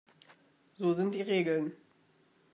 So sind die Regeln.